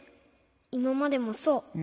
いままでもそう。